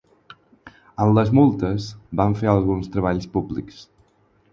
Amb les multes van fer alguns treballs públics.